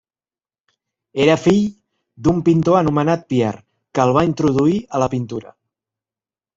Era fill d'un pintor anomenat Pierre que el va introduir a la pintura.